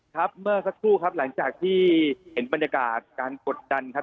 ครับเมื่อสักครู่ครับหลังจากที่เห็นบรรยากาศการกดดันครับ